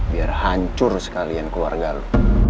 biar hancur sekalian keluarga lo